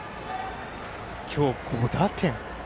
今日５打点。